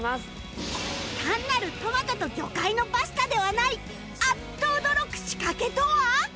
単なるトマトと魚介のパスタではないあっと驚く仕掛けとは！？